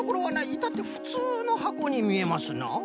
いたってふつうのはこにみえますな。